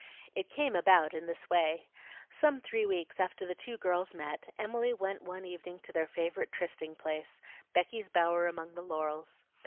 It came about in this way. Some three weeks after the two girls met, Emily went one evening to their favorite trysting place, Becky's bower among the laurels.